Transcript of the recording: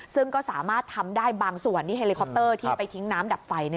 ซึ่งก็สามารถทำได้บางส่วนที่เฮลิคอปเตอร์ที่ไปทิ้งน้ำดับไฟ